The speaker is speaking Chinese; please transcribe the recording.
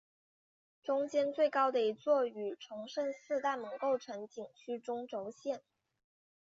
中间最高的一座与崇圣寺大门构成景区中轴线。